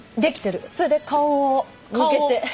それで顔を向けて。